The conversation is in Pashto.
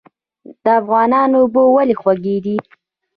د افغانستان اوبه ولې خوږې دي؟